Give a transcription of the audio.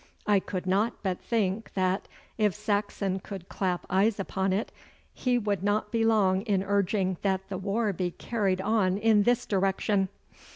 I could not but think that, if Saxon could clap eyes upon it, he would not be long in urging that the war be carried on in this direction.